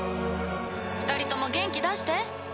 ２人とも元気出して。